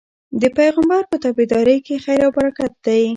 د پيغمبر په تابعدارۍ کي خير او برکت دی